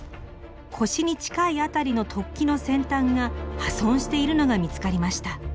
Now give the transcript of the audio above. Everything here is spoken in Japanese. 腰に近い辺りの突起の先端が破損しているのが見つかりました。